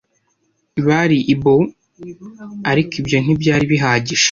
Bari i Bow, ariko ibyo ntibyari bihagije: